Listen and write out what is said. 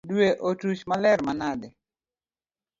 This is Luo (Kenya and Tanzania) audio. Due otuch maler manade .